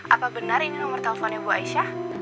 apa benar ini nomor teleponnya bu aisyah